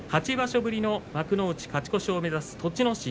８場所ぶりの幕内勝ち越しを目指す栃ノ